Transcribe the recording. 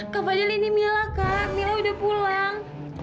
kak fadil ini mila kak mila udah pulang